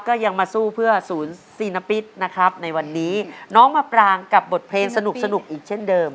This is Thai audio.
ก็ยังมาสู้เพื่อศูนย์ซีนปิดนะครับในวันนี้น้องมาปรางกับบทเพลงสนุกสนุกอีกเช่นเดิม